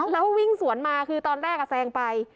แล้ววิ่งสวนมาคือตอนแรกแซงไป